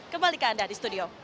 kembali ke anda di studio